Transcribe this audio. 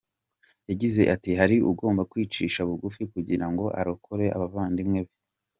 Yagize ati “Hari ugomba kwicisha bugufi kugira ngo arokore abavandimwe be.